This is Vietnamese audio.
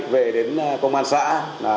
về đến công an xã